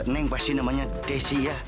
neng pasti namanya desi ya